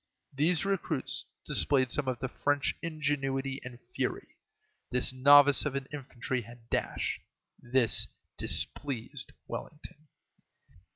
These recruits displayed some of the French ingenuity and fury. This novice of an infantry had dash. This displeased Wellington.